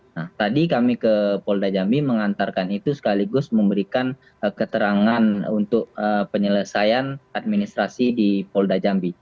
nah tadi kami ke polda jambi mengantarkan itu sekaligus memberikan keterangan untuk penyelesaian administrasi di polda jambi